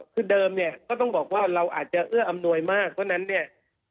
คือเดิมเนี่ยก็ต้องบอกว่าเราอาจจะเอื้ออำนวยมากเพราะฉะนั้นเนี่ย